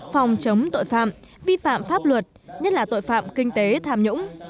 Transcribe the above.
phòng chống tội phạm vi phạm pháp luật nhất là tội phạm kinh tế tham nhũng